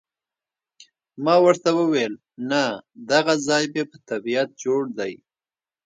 ما ورته وویل، نه، دغه ځای مې په طبیعت جوړ دی.